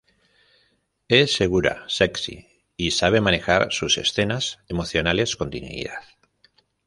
Es segura, sexy, y sabe manejar sus escenas emocionales con dignidad".